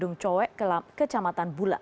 dia saya sudah aku ejemplo